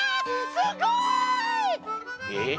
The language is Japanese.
すごい！えっ？